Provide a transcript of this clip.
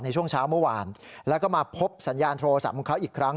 ในช่วงเช้าเมื่อวานแล้วก็มาพบสัญญาณโทรศัพท์ของเขาอีกครั้ง